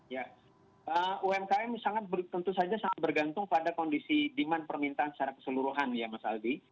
ya umkm sangat tentu saja sangat bergantung pada kondisi demand permintaan secara keseluruhan ya mas aldi